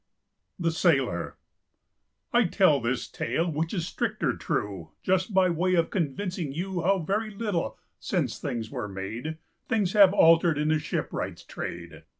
THE SAILOR:I tell this tale, which is stricter true, Just by way of convincing youHow very little, since things was made, Things have altered in the shipwright's trade.